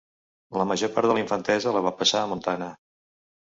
La major part de la infantesa la va passar a Montana.